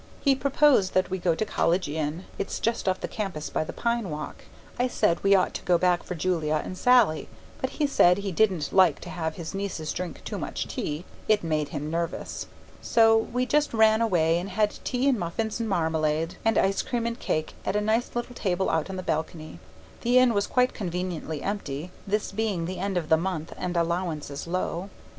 He proposed that we go to College Inn it's just off the campus by the pine walk. I said we ought to go back for Julia and Sallie, but he said he didn't like to have his nieces drink too much tea; it made them nervous. So we just ran away and had tea and muffins and marmalade and ice cream and cake at a nice little table out on the balcony. The inn was quite conveniently empty, this being the end of the month and allowances low.